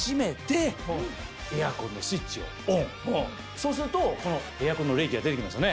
そうするとこのエアコンの冷気が出てきますよね。